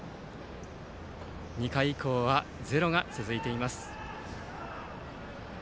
２回以降はゼロが続いています。